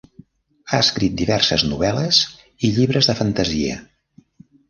Ha escrit diverses novel·les i llibres de fantasia.